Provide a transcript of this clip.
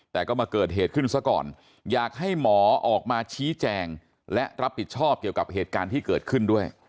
แต่ก็มาเกิดเหตุขึ้นซะก่อนอยากให้หมอออกมาชี้แจงและรับผิดชอบเกี่ยวกับเหตุการณ์ที่เกิดขึ้นด้วย